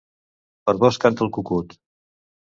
Per vós canta el cucut.